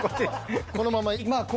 このまま。